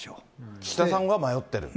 岸田さんが迷ってる？